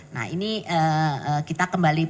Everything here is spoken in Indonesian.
nah ini kita kembali